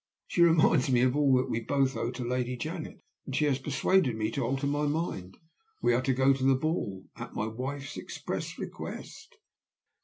She reminds me of all that we both owe to Lady Janet; and she has persuaded me to alter my mind. We are to go to the ball at my wife express request!